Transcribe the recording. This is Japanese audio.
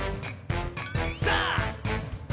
さあ！